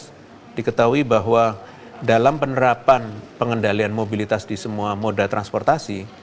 kita bisa mengetahui bahwa dalam penerapan pengendalian mobilitas di semua moda transportasi